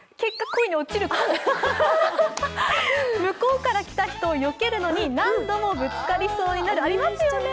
向こうから来た人をよけるのに何度もぶつかりそうになる、ありますよね？